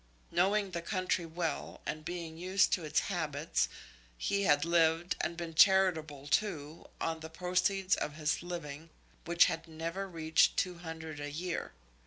Knowing the country well, and being used to its habits, he had lived, and been charitable too, on the proceeds of his living, which had never reached two hundred a year.